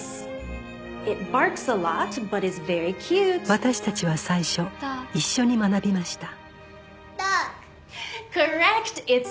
私たちは最初一緒に学びました